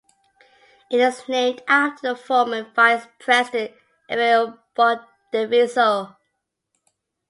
It is named after the former vice president Enrique Baldivieso.